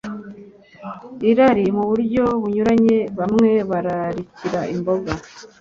irari mu buryo bunyuranye Bamwe bararikira imboga